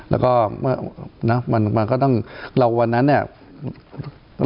แล้วก็มันก็ต้องเราวันนั้นเนี่ย